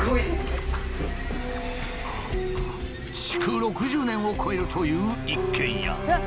築６０年を超えるという一軒家。